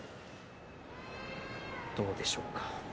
どうでしょうか。